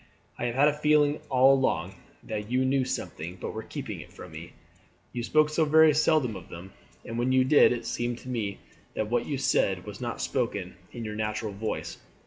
I have had a feeling all along that you knew something, but were keeping it from me. You spoke so very seldom of them, and when you did it seemed to me that what you said was not spoken in your natural voice.